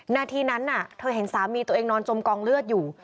นาทีนั้นเธอเห็นสามีตัวเองนอนจมกองเลือดอยู่